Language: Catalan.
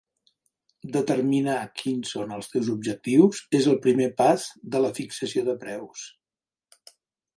Determinar quins són els teus objectius és el primer pas de la fixació de preus.